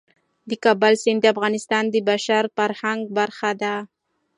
د کابل سیند د افغانستان د بشري فرهنګ برخه ده.